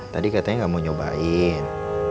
tadi katanya nggak mau nyobain